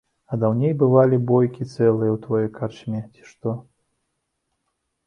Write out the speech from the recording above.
А даўней бывалі бойкі цэлыя ў тваёй карчме, ці што.